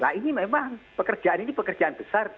nah ini memang pekerjaan ini pekerjaan besar